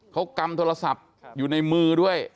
เขากำโทรศัพท์อยู่ในมือด้วย